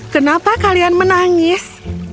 kenapa kalian menangis